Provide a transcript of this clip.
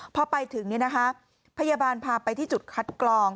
พอไปถึงพยาบาลพาไปที่จุดคัดกรอง